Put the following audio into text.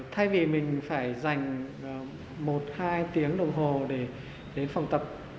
thay vì mình phải dành một hai tiếng đồng hồ để đến phòng tập